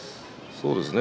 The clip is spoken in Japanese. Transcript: そうですね。